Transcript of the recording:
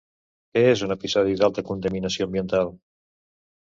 Què és un episodi d'alta contaminació ambiental?